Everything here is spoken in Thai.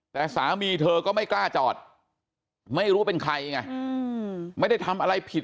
แต่สามีเธอก็ไม่กล้าจอดไม่รู้เป็นใครไงไม่ได้ทำอะไรผิด